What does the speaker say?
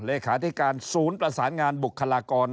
เลขาธิการศูนย์ประสานงานบุคลากร